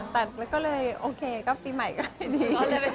แต่มันก็เลยโอเคก็ปีใหม่ก็ดี